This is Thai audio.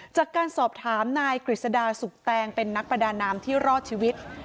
จากการสอบถามนายกฤษดาสุกแตงเป็นนักประดาน้ำที่รอดชีวิต